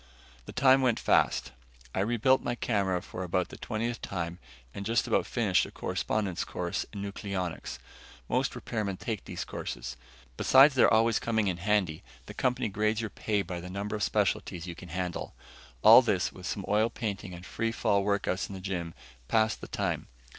The time went fast. I rebuilt my camera for about the twentieth time and just about finished a correspondence course in nucleonics. Most repairmen take these courses. Besides their always coming in handy, the company grades your pay by the number of specialties you can handle. All this, with some oil painting and free fall workouts in the gym, passed the time.